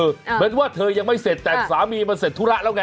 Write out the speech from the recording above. เหมือนว่าเธอยังไม่เสร็จแต่สามีมันเสร็จธุระแล้วไง